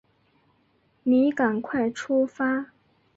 你赶快出发